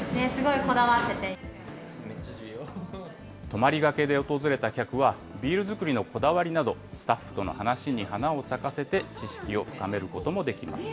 泊まりがけで訪れた客は、ビール造りのこだわりなど、スタッフとの話に花を咲かせて知識を深めることもできます。